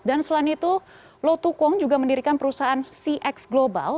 dan selain itu lou tukwong juga mendirikan perusahaan cx global